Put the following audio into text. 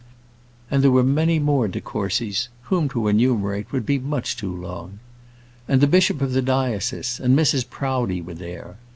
And there were many more de Courcys, whom to enumerate would be much too long. And the bishop of the diocese, and Mrs Proudie were there.